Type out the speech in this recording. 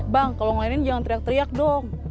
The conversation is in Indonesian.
bang kalau ngelainin jangan teriak teriak dong